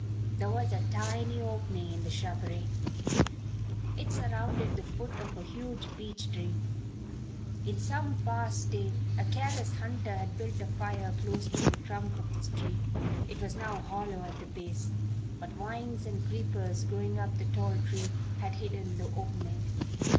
There was a tiny opening in the shrubbery. It surrounded the foot of a huge beech tree. In some past day a careless hunter had built a fire close to the trunk of this tree. It was now hollow at the base, but vines and creepers growing up the tall tree had hidden the opening.